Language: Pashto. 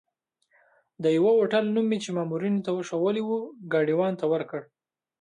د یوه هوټل نوم مې چې مامورینو ښوولی وو، ګاډیوان ته ورکړ.